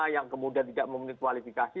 yang kemudian tidak memenuhi kualifikasi